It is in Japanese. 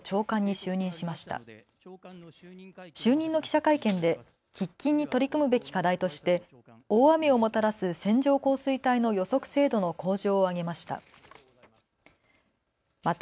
就任の記者会見で喫緊に取り組むべき課題として大雨をもたらす線状降水帯の予測精度の向上を挙げました。